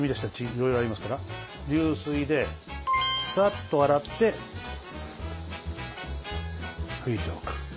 いろいろありますから流水でさっと洗って拭いておく。